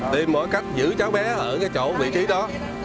tìm mọi cách giữ cháu bé ở cái chỗ vị trí đó